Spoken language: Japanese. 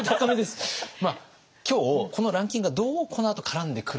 まあ今日このランキングがどうこのあと絡んでくるのか。